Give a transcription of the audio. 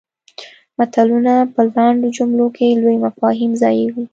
متلونه په لنډو جملو کې لوی مفاهیم ځایوي